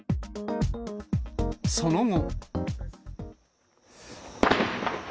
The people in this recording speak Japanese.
その後。